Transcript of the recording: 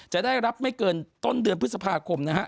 จะได้รับไม่เกินต้นเดือนพฤษภาคมนะฮะ